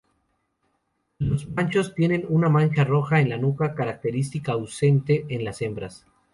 Los machos tienen una mancha roja en la nuca, característica ausente en las hembras.